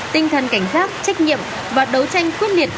tinh thần cảnh giác trách nhiệm và đấu tranh quyết liệt